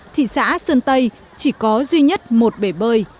thị xã sơn tây chỉ có duy nhất một bể bơi